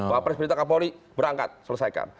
wapres perintah kapolri berangkat selesaikan